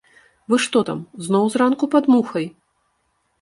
Вы што там, зноў зранку пад мухай!